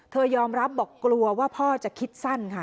ยอมรับบอกกลัวว่าพ่อจะคิดสั้นค่ะ